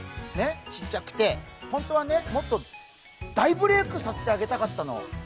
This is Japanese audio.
ちっちゃくて、本当はねもっと大ブレークさせてあげたかったの。